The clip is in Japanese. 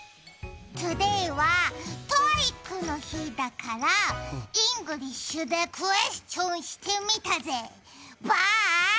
トゥデイはＴＯＥＩＣの日だからイングリッシュでクエスチョンしてみたぜ、バーイ！